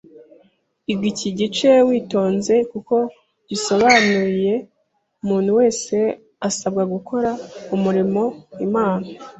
Iga iki gice witonze; kuko gisobanuyri muntu wese asabwa gukora umurimo Imana